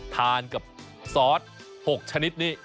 ทานกับซอส๖ชนิดนี้